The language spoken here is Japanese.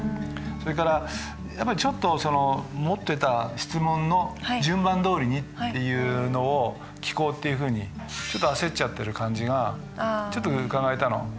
それからやっぱりちょっとその持ってた質問の順番どおりにっていうのを聞こうっていうふうにちょっと焦っちゃってる感じがちょっとうかがえたの。